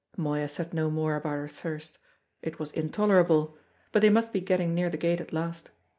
Moya said no more about her thirst; it was intolerable; but they must be getting near the gate at last.